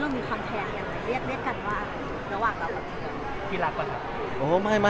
เรียกกันว่าระหว่างเรา